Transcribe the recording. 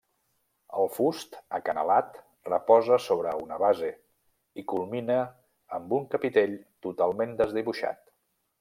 El fust, acanalat, reposa sobre una base, i culmina amb un capitell totalment desdibuixat.